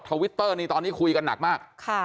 วิตเตอร์นี้ตอนนี้คุยกันหนักมาก